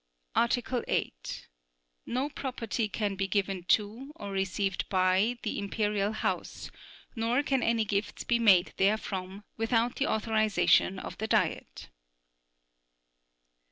Article 8. No property can be given to, or received by, the Imperial House, nor can any gifts be made therefrom, without the authorization of the Diet.